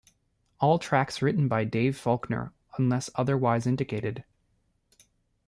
All tracks written by Dave Faulkner unless otherwise indicated.